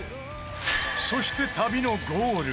そして、旅のゴール